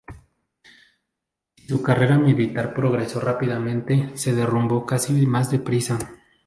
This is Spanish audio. Si su carrera militar progresó rápidamente, se derrumbó casi más de prisa.